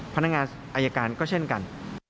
พนักงานอายการก็เช่นกัน